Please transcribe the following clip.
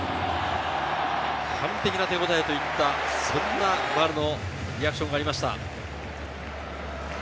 完璧な手応えといった、そんな丸のリアクションがありました。